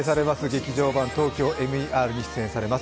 「劇場版ＴＯＫＹＯＭＥＲ」に出演されます